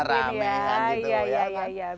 mana rame kan gitu